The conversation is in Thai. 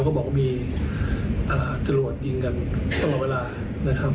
ก็บอกว่ามีจรวดยิงกันตลอดเวลานะครับ